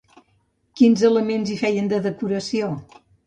Quins elements hi feien de decoració?